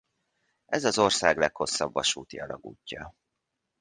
Ez az ország leghosszabb vasúti alagútja.